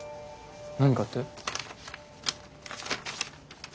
何かって？